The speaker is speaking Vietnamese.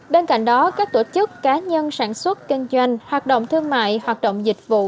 bên cạnh đó các tổ chức cá nhân sản xuất kinh doanh hoạt động thương mại hoạt động dịch vụ